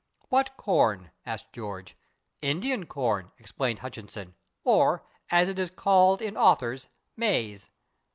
"What /corn/?" asked George. "/Indian corn/," explained Hutchinson, "or, as it is called in authors, /maize